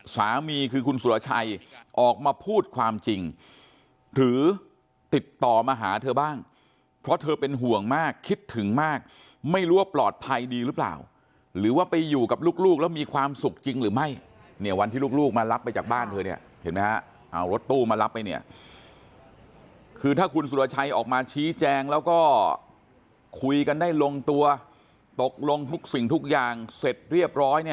สามีคือคุณสุรชัยออกมาพูดความจริงหรือติดต่อมาหาเธอบ้างเพราะเธอเป็นห่วงมากคิดถึงมากไม่รู้ว่าปลอดภัยดีหรือเปล่าหรือว่าไปอยู่กับลูกแล้วมีความสุขจริงหรือไม่เนี่ยวันที่ลูกมารับไปจากบ้านเธอเนี่ยเห็นไหมฮะเอารถตู้มารับไปเนี่ยคือถ้าคุณสุรชัยออกมาชี้แจงแล้วก็คุยกันได้ลงตัวตกลงทุกสิ่งทุกอย่างเสร็จเรียบร้อยเนี่ย